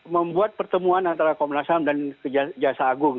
membuat pertemuan antara komnas ham dan jasa agung